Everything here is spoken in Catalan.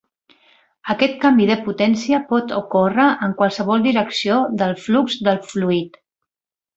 Aquest canvi de potència pot ocórrer en qualsevol direcció del flux de fluid.